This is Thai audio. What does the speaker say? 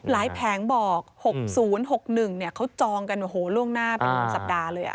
แผงบอก๖๐๖๑เขาจองกันโอ้โหล่วงหน้าเป็นสัปดาห์เลย